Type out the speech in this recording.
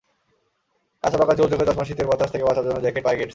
কাঁচা-পাকা চুল, চোখে চশমা, শীতের বাতাস থেকে বাঁচার জন্য জ্যাকেট, পায়ে কেডস।